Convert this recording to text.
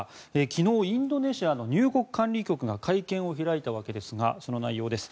昨日、インドネシアの入国管理局が会見を開いたわけですがその内容です。